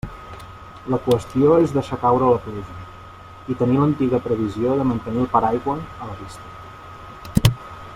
La qüestió és deixar caure la pluja, i tenir l'antiga previsió de mantenir el paraigua a la vista.